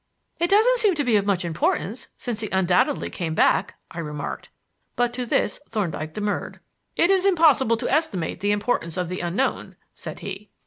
"It doesn't seem to be of much importance, since he undoubtedly came back," I remarked; but to this Thorndyke demurred. "It is impossible to estimate the importance of the unknown," said he.